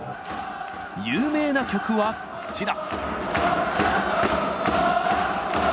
有名な曲はこちら。